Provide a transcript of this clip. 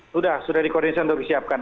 sudah sudah dikoordinasi untuk disiapkan